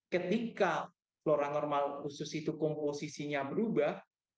ketika flora normal usus itu komposisinya berubah